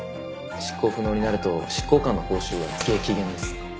執行不能になると執行官の報酬は激減です。